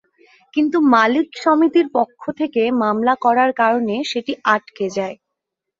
কিন্তু মালিক সমিতির পক্ষ থেকে মামলা করার কারণে সেটি আটকে যায়।